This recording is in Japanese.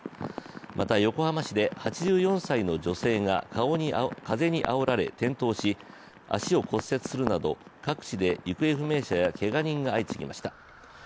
また横浜市で８４歳の女性が風にあおられ転倒し足を骨折するなど各地で行方不明者やけが人が相次ぎました。